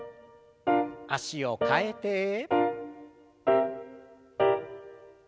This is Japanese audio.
脚を替えて。